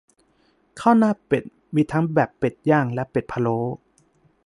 ข้าวหน้าเป็ดมีทั้งแบบเป็ดย่างและเป็ดพะโล้